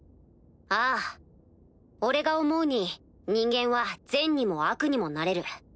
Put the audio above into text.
ああ俺が思うに人間は善にも悪にもなれる。